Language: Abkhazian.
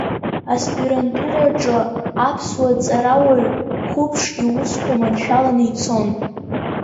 Аспирантураҿы аԥсуа ҵарауаҩ қәыԥш иусқәа маншәаланы ицон.